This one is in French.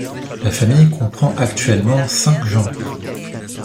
La famille comprend actuellement cinq genres.